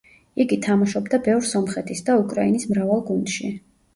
იგი თამაშობდა ბევრ სომხეთის და უკრაინის მრავალ გუნდში.